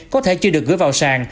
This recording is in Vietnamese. có thể chưa được gửi vào sàn